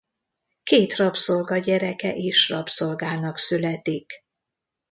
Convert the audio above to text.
Két rabszolga gyereke is rabszolgának születik.